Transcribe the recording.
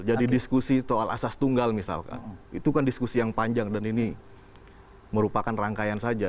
jadi diskusi soal asas tunggal misalkan itu kan diskusi yang panjang dan ini merupakan rangkaian saja